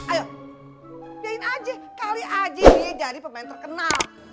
ayo pilihin aja kali aja dia jadi pemain terkenal